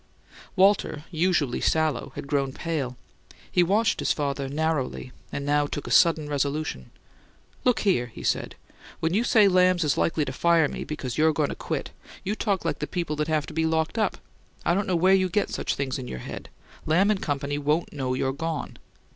Walter, usually sallow, had grown pale: he watched his father narrowly, and now took a sudden resolution. "Look here," he said. "When you say Lamb's is likely to fire me because you're goin' to quit, you talk like the people that have to be locked up. I don't know where you get such things in your head; Lamb and Company won't know you're gone.